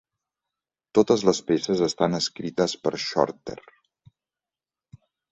Totes les peces estan escrites per Shorter.